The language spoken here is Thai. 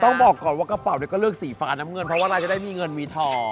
ต้องบอกก่อนว่ากระเป๋าเนี่ยก็เลือกสีฟ้าน้ำเงินเพราะว่าเราจะได้มีเงินมีทอง